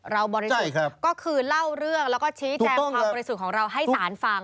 บริสุทธิ์ก็คือเล่าเรื่องแล้วก็ชี้แจงความบริสุทธิ์ของเราให้สารฟัง